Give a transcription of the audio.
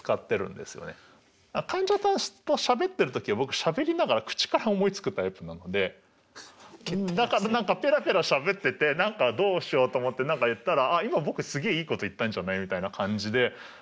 患者さんとしゃべってる時僕しゃべりながら口から思いつくタイプなのでだからペラペラしゃべっててどうしようと思って何か言ったら「あっ今僕すげえいいこと言ったんじゃない？」みたいな感じで。